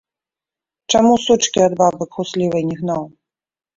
Чаму сучкі ад бабы куслівай не гнаў?